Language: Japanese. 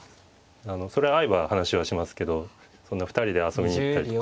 そりゃ会えば話はしますけどそんな２人で遊びに行ったりとか。